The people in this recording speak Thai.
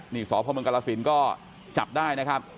นี่สพมกรสินก็จับได้นะครับ